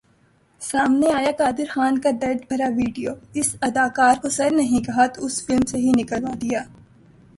سامنے آیا قادر خان کا درد بھرا ویڈیو ، اس اداکار کو سر نہیں کہا تو فلم سے ہی نکلوادیا